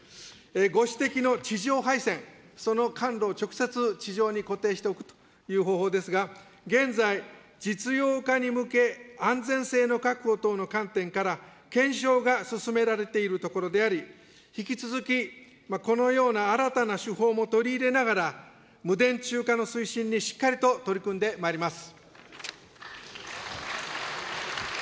ご指摘の地上配線、その管路を直接地上に固定しておくという方法ですが、現在、実用化に向け安全性の確保等の観点から、検証が進められているところであり、引き続きこのような新たな手法も取り入れながら、無電柱化の推進にしっかりと取り組んでまいります。